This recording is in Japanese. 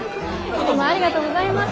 親方ありがとうございます。